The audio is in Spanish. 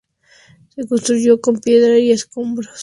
Se construyó con piedra y escombros.